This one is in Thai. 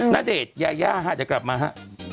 ณเดชน์ญายาฮาจะกลับมาฮะ